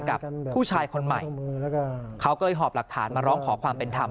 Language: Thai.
กับผู้ชายคนใหม่เขาก็เลยหอบหลักฐานมาร้องขอความเป็นธรรม